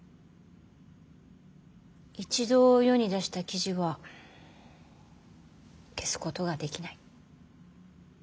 一度世に出した記事は消すことができない。